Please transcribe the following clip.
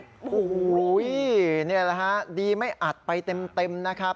โอ้โหนี่แหละฮะดีไม่อัดไปเต็มนะครับ